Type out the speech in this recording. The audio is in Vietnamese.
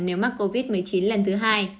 nếu mắc covid một mươi chín lần thứ hai